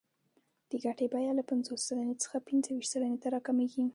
د ګټې بیه له پنځوس سلنې څخه پنځه ویشت سلنې ته راکمېږي